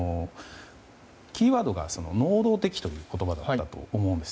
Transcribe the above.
キーワードが能動的という言葉だったと思います。